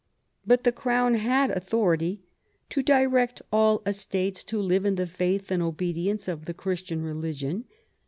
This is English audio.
But the Crown had authority "to direct all estates to live in the faith and obedience of the Christian religion!